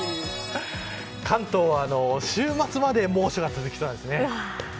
関東は週末まで猛暑が続きそうなんですね。